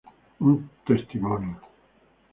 Un testimonio.